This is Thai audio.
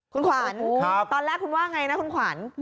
คุณขวัญตอนแรกคุณว่าไงนะคุณขวัญ